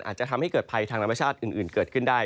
อาจจะทำให้เกิดภัยทางธรรมชาติอื่นเกิดขึ้นได้